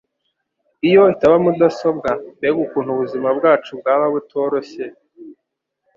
Iyo itaba mudasobwa, mbega ukuntu ubuzima bwacu bwaba butoroshye!